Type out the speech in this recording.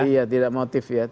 iya tidak motif ya